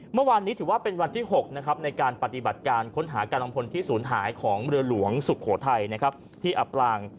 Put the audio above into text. เมื่อวานนี้ถือว่าเป็นวันที่๖นะครับในการปฏิบัติการค้นหากำลังพลที่ศูนย์หายของเรือหลวงสุโขทัยที่อับปลาง